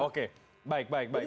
oke baik baik baik